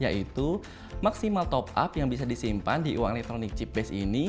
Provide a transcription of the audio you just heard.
yaitu maksimal top up yang bisa disimpan di uang elektronik chip base ini